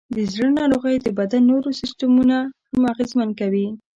د زړه ناروغۍ د بدن نور سیستمونه هم اغېزمن کوي.